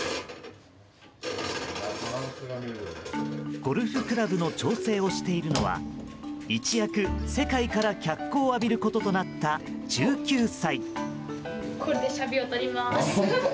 ゴルフクラブの調整をしているのは一躍、世界から脚光を浴びることとなった１９歳。